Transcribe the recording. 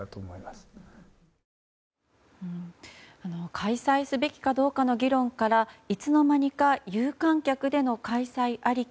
開催すべきかどうかの議論からいつの間にか有観客での開催ありき